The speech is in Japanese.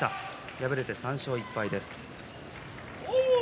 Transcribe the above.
敗れて３勝１敗です。